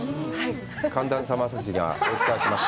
“寒暖差正輝”がお伝えしました。